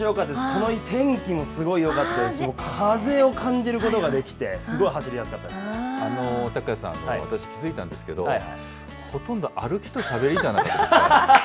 この日、天気もすごいよかったですし、風を感じることができて、卓也さん、私、気付いたんですけど、ほとんど、歩きとしゃべりじゃなかったですか？